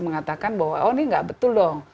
mengatakan bahwa oh ini nggak betul dong